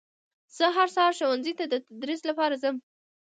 زه هر سهار ښوونځي ته در تدریس لپاره ځم